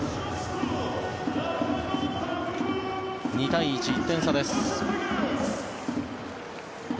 ２対１、１点差です。